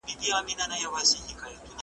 او د خپل ستوني په ناره کي مي الله ووینم ,